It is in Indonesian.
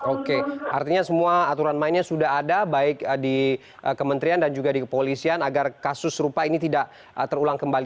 oke artinya semua aturan mainnya sudah ada baik di kementerian dan juga di kepolisian agar kasus serupa ini tidak terulang kembali